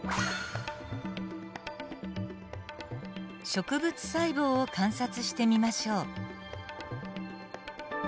植物細胞を観察してみましょう。